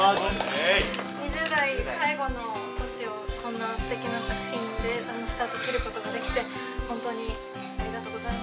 ２０代最後の年をこんなすてきな作品でスタート切ることができて本当にありがとうございます。